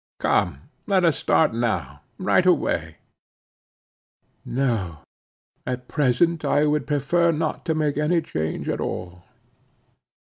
Come, let us start now, right away." "No: at present I would prefer not to make any change at all."